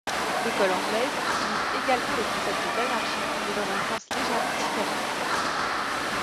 L'École anglaise utilise également le concept d'anarchie, mais dans un sens légèrement différent.